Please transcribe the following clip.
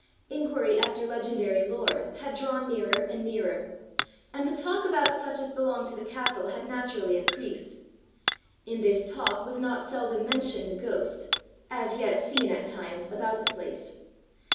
Inquiry after legendary lore had drawn nearer and nearer, and the talk about such as belonged to the castle had naturally increased. In this talk was not seldom mentioned a ghost, as yet seen at times about the place.